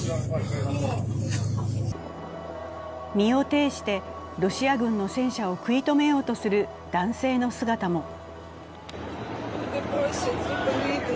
身を呈してロシア軍の戦車を食い止めようとする男性の姿も。